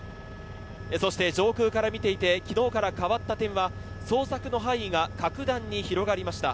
そして上空から見ていて昨日から変わった点は捜索の範囲が格段に広がりました。